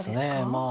まあ。